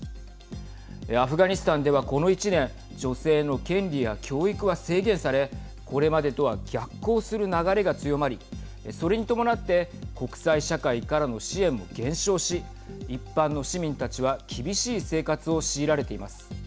アフガニスタンでは、この１年女性の権利や教育は制限されこれまでとは逆行する流れが強まりそれに伴って国際社会からの支援も減少し一般の市民たちは厳しい生活を強いられています。